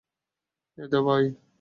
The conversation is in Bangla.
এই দেবা, আয়।